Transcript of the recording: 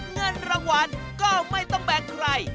เงินรางวัลก็ไม่ต้องแบ่งใคร